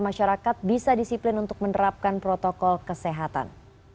masyarakat bisa disiplin untuk menerapkan protokol kesehatan